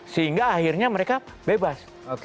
sehingga akhirnya mereka bebas